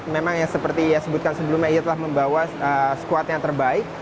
memang seperti yang dia sebutkan sebelumnya dia telah membawa sekuat yang terbaik